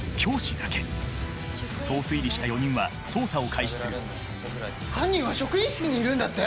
そう推理した４人は捜査を開始する犯人は職員室にいるんだって！？